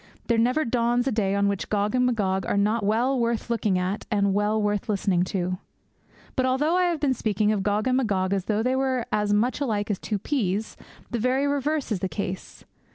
There never dawns a day on which Gog and Magog are not well worth looking at and well worth listening to. But although I have been speaking of Gog and Magog as though they were as much alike as two peas, the very reverse is the case.